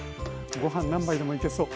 ご飯何杯でもいけそう。